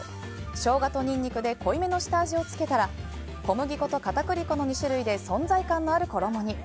ショウガとニンニクで濃いめの下味を付けたら小麦粉と片栗粉の２種類で存在感のある衣に。